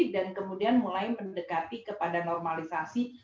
dan kemudian mulai mendekati kepada normalisasi